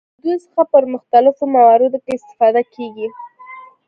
له دوی څخه په مختلفو مواردو کې استفاده کیږي.